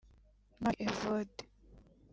Ntwali Evode